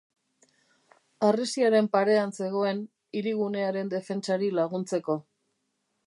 Harresiaren parean zegoen, hirigunearen defentsari laguntzeko.